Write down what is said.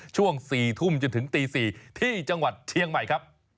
ช่วง๔ทุ่มจนถึงตี๔ที่จังหวัดเชียงใหม่ครับ